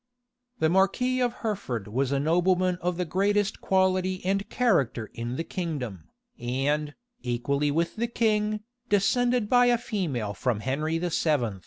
The marquis of Hertford was a nobleman of the greatest quality and character in the kingdom, and, equally with the king, descended by a female from Henry VII.